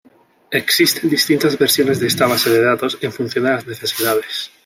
Existen distintas versiones de esta base de datos, en función de las necesidades.